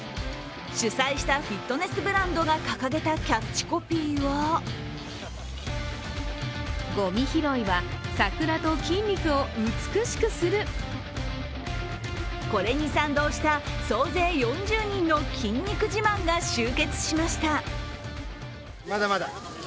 主催したフィットネスブランドが掲げたキャッチコピーはこれに賛同した総勢４０人の筋肉自慢が集結しました。